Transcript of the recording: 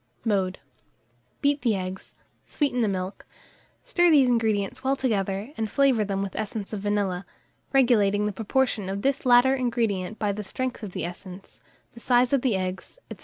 Mode. Beat the eggs, sweeten the milk; stir these ingredients well together, and flavour them with essence of vanilla, regulating the proportion of this latter ingredient by the strength of the essence, the size of the eggs, &c.